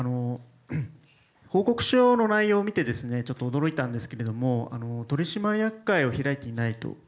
報告書の内容を見て驚いたんですけれども取締役会を開いていないと。